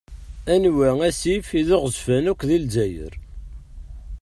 Anwa asif i d aɣezzfan akk di Lezzayer?